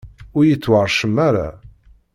ur yettwaṛcem ara.